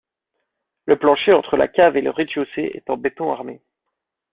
Le plancher entre la cave et le rez-de-chaussée est en béton armé.